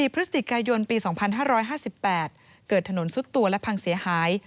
พฤศจิกายนปี๒๕๕๘เกิดถนนซุดตัวและพังเสียหาย